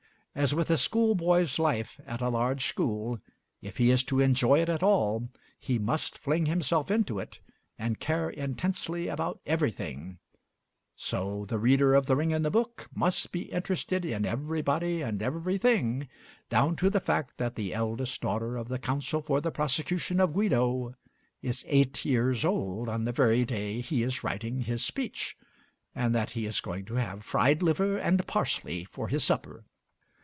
As with a schoolboy's life at a large school, if he is to enjoy it at all, he must fling himself into it, and care intensely about everything so the reader of 'The Ring and the Book' must be interested in everybody and everything, down to the fact that the eldest daughter of the counsel for the prosecution of Guido is eight years old on the very day he is writing his speech, and that he is going to have fried liver and parsley for his supper.